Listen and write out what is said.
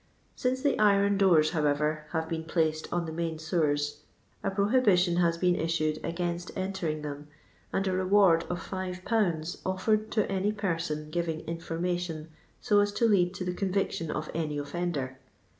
Since the iron doors, however, have been placed on the main sewers a prohilntion has been issued against entering them, and a reward of 5L offored to any person giving information ao as to lead to the conviction of any offender.